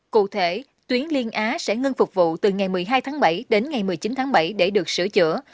cụ thể tuyến liên á sẽ ngưng phục vụ từ ngày một mươi hai tháng bảy đến ngày một mươi chín tháng bảy để được sửa chữa